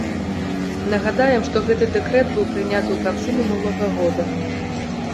Нагадаем, што гэты дэкрэт быў прыняты ў канцы мінулага года.